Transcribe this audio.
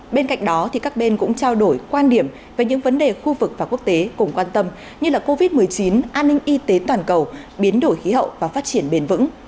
bên cạnh đó các bên cũng trao đổi quan điểm về những vấn đề khu vực và quốc tế cùng quan tâm như là covid một mươi chín an ninh y tế toàn cầu biến đổi khí hậu và phát triển bền vững